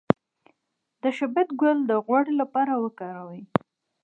د شبت ګل د غوړ لپاره وکاروئ